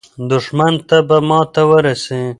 دښمن ته به ماته ورسي.